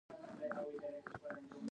دوی د خلکو د ارادې پر ځای خپلې ګټې لټوي.